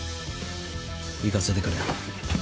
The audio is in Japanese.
行かせてくれ。